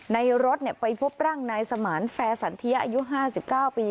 ในรถไปพบร่างนายสมานแฟร์สันเทียอายุ๕๙ปี